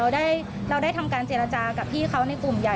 ได้แต่ว่าพวกเรากลับมาด้วยค่ะ